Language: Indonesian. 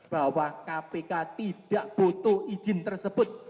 bahwa kpk tidak butuh izin tersebut